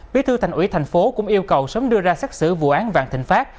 bí thư thành ủy tp hcm cũng yêu cầu sớm đưa ra xác xử vụ án vạn thịnh pháp